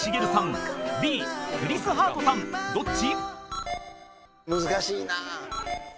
［どっち？］